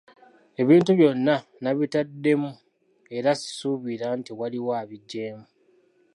Ebintu byonna nabitaddemu era sisuubira nti waliwo abiggyeemu.